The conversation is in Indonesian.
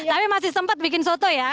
tapi masih sempat bikin soto ya